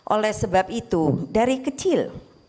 oleh sebab itu dari kecil